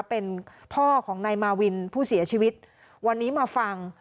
เป็นพ่อของนายมาวินผู้เสียชีวิตวันนี้มาฟัง